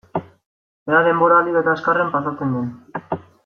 Ea denbora ahalik eta azkarren pasatzen den.